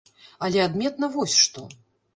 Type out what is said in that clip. Але адметна вось што.